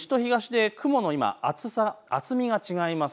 西と東で雲の厚みが違います。